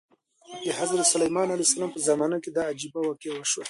د حضرت سلیمان علیه السلام په زمانه کې دا عجیبه واقعه وشوه.